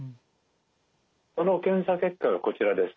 その検査結果がこちらです。